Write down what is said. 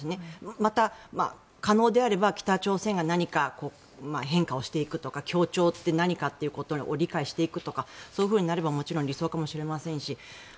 また可能であれば北朝鮮が何か変化をしていくとか協調って何かということを理解していくとかそういうふうになればもちろん理想かもしれませんし。